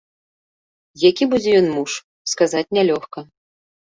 Які будзе ён муж, сказаць нялёгка.